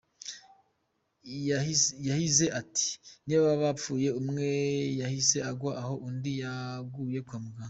Yahize ati “Ni babiri bapfuye, umwe yahise agwa aho undi yaguye kwa muganga.